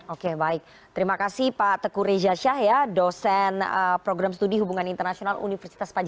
oke baik terima kasih pak teku reza syah dosen program studi hubungan internasional universitas perancis